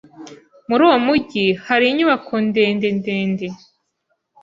Muri uwo mujyi hari inyubako ndende ndende.